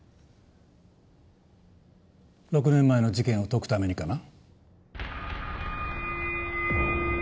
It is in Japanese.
６年前の事件を解くためにかな？